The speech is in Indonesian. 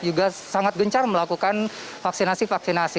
juga sangat gencar melakukan vaksinasi vaksinasi